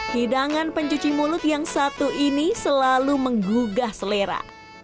hidangan pencuci mulut yang satu ini selalu menggugah selera